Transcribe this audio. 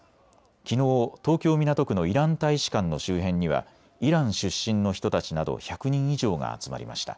きのう東京港区のイラン大使館の周辺にはイラン出身の人たちなど１００人以上が集まりました。